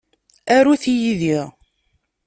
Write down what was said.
Arut yid-i.